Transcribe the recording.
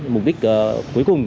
mục đích cuối cùng